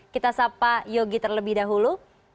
kita sapa yogi terlebih dahulu